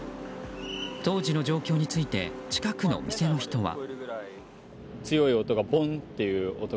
当時の状況について近くの店の人は。